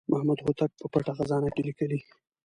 محمد هوتک په پټه خزانه کې لیکلي.